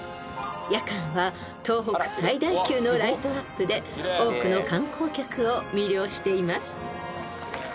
［夜間は東北最大級のライトアップで多くの観光客を魅了しています］